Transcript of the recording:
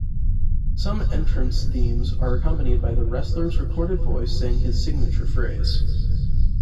Some entrance themes are accompanied by the wrestler's recorded voice saying his signature phrase.